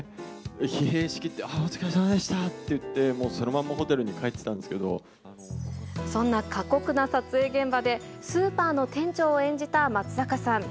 疲弊しきって、ああ、お疲れさまでしたって言って、もうそのまんそんな過酷な撮影現場で、スーパーの店長を演じた松坂さん。